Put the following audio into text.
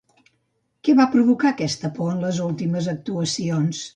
Què va provocar aquesta por en les últimes actuacions?